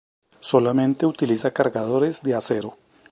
Solamente utiliza cargadores de acero.